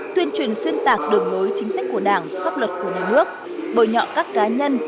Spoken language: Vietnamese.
tuyên truyền xuyên tạc đường lối chính sách của đảng pháp luật của nhà nước bồi nhọ các cá nhân